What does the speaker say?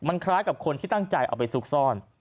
คล้ายกับคนที่ตั้งใจเอาไปซุกซ่อน